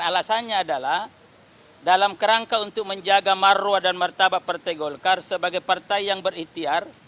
alasannya adalah dalam kerangka untuk menjaga marwah dan martabat partai golkar sebagai partai yang berikhtiar